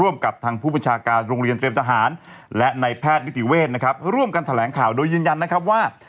มาแถลงข่าวโดยยืนยันนะครับว่า